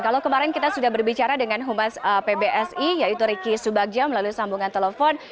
kalau kemarin kita sudah berbicara dengan humas pbsi yaitu riki subagja melalui sambungan telepon